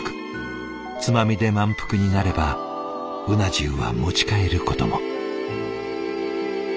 つまみで満腹になればうな重は持ち帰ることも。